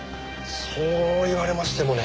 そう言われましてもね。